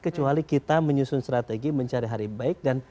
kecuali kita menyusun strategi mencari hari baik